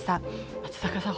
松坂さん